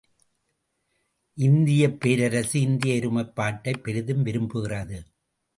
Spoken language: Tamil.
இந்தியப் பேரரசு இந்திய ஒருமைப்பாட்டைப் பெரிதும் விரும்புகிறது.